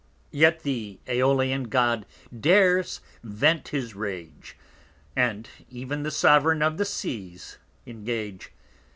Yet the_ Æolian _God dares vent his Rage; And ev'n the Sovereign of the Seas engage.